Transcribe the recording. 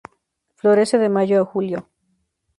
Florece de Mayo a Julio.